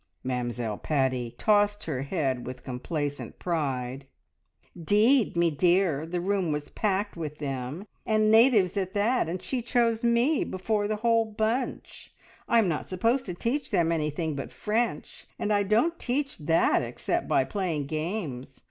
Mamzelle Paddy tossed her head with complacent pride. "'Deed, me dear, the room was packed with them, and natives at that, and she chose me before the whole bunch. I'm not supposed to teach them anything but French, and I don't teach that except by playing games.